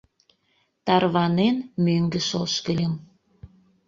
Тарванен, мӧҥгыш ошкыльым.